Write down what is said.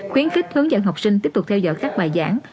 khuyến khích hướng dẫn học sinh tiếp tục theo dõi các bài giảng